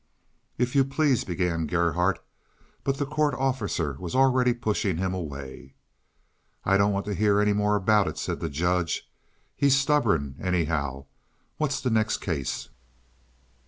"If you please," began Gerhardt, but the court officer was already pushing him away. "I don't want to hear any more about it," said the judge. "He's stubborn, anyhow. What's the next case?"